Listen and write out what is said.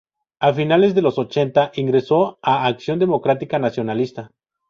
A finales de los ochenta ingresó a Acción Democrática Nacionalista.